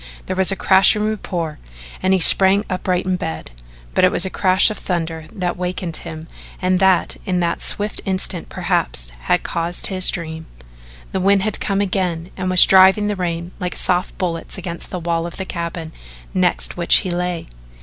There was a crashing report and he sprang upright in bed but it was a crash of thunder that wakened him and that in that swift instant perhaps had caused his dream. The wind had come again and was driving the rain like soft bullets against the wall of the cabin next which he lay.